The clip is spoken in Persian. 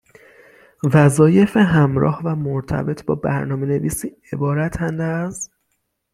وظایف همراه و مرتبط با برنامهنویسی عبارتند از: